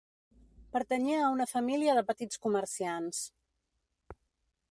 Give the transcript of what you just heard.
Pertanyia a una família de petits comerciants.